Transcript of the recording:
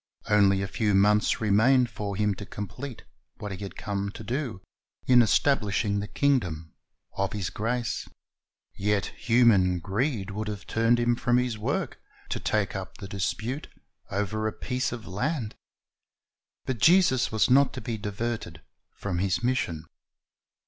Only a {g\v months remained for Him to complete what He had come to do, in establishing the kingdom of iDeut. 21:17 2 I Peter 1:4 2 54 Christ's Object Lessons His grace. Yet human greed would have turned Him from His work, to take up the dispute over a piece of land. But Jesus was not to be diverted from His mission.